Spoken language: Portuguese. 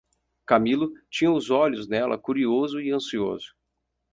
Camilo tinha os olhos nela curioso e ansioso.